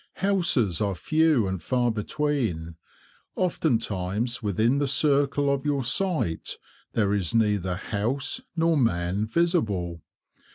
Houses are few and far between. Oftentimes within the circle of your sight there is neither house nor man visible.